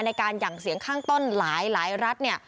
ในการห่างเสียงข้างต้นหลายหลายรัฐ